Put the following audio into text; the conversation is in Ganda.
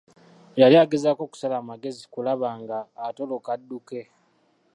Yali agezaako kusala magezi kulaba nga atoloka adduke.